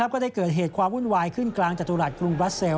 ก็ได้เกิดเหตุความวุ่นวายขึ้นกลางจตุรัสกรุงบราเซล